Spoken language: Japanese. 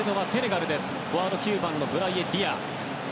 フォワード、９番のブライエ・ディア。